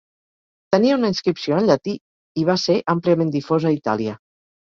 Tenia una inscripció en llatí i va ser àmpliament difosa a Itàlia.